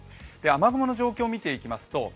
雨雲の状況を見ていきますと